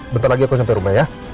bentar lagi aku sampai rumah ya